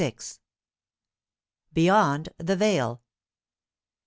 BEYOND THE VEIL.